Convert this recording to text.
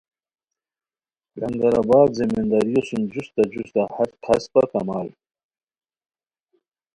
لنگر آباد زمینداریو سُم جوستہ جوستہ ہر کھاسپہ کمال